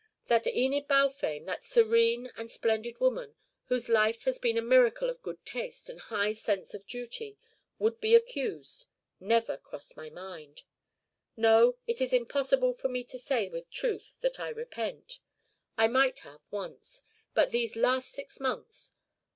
That Enid Balfame, that serene and splendid woman, whose life has been a miracle of good taste and high sense of duty, would be accused never crossed my mind. "No, it is impossible for me to say with truth that I repent. I might have, once. But these last six months!